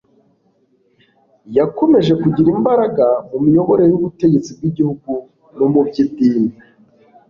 yakomeje kugira imbaraga mu miyoborere y'ubutegetsi bw'igihugu no mu by'idini.